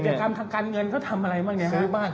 กิจกรรมทำการเงินเขาทำอะไรบ้าง